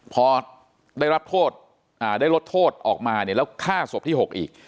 พอได้รับโทษได้ลดโทษออกมาเนี่ยแล้วฆ่าศพที่๖อีก